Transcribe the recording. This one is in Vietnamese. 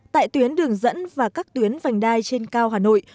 tại tuyến đường dẫn và các tuyến vành đai trên cao hà nội